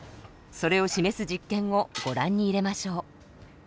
それを示す実験をご覧に入れましょう。